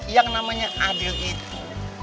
yang namanya adil itu